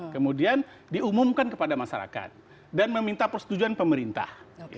kemudian diumumkan kepada masyarakat dan meminta persetujuan pemerintah